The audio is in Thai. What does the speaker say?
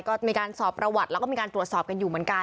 ก็มีการสอบประวัติแล้วก็มีการตรวจสอบกันอยู่เหมือนกัน